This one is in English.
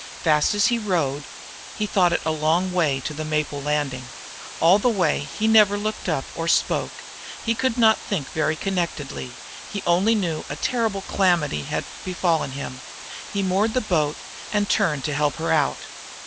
Fast as he rowed he thought it a long way to the maple landing. All the way he never looked up or spoke. He could not think very connectedly; he only knew a terrible calamity had befallen him. He moored the boat and turned to help her out.